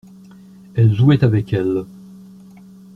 Elle jouait avec elle.